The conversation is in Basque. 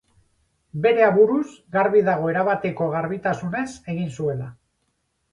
Bere aburuz, garbi dago erabateko garbitasunez egin zuela.